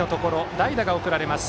代打が送られます。